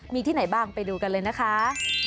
มีที่ไหนบ้างไปดูกันเลยนะคะ